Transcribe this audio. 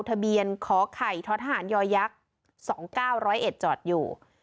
ทะเบียนขอไข่ท้อทหารยอยักษ์๒๙๐๑จอดอยู่